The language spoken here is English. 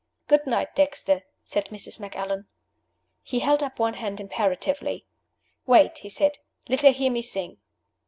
"Good night, Dexter," said Mrs. Macallan. He held up one hand imperatively. "Wait!" he said. "Let her hear me sing."